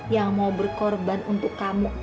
yang mau berkorban untuk kamu